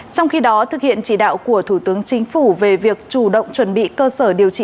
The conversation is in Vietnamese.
trong khi đó thực hiện chỉ đạo của thủ tướng chính phủ về việc chủ động chuẩn bị cơ sở điều trị